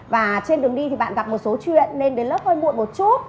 và trên đường đi thì bạn gặp một số chuyện nên đến lớp hơi muộn một chút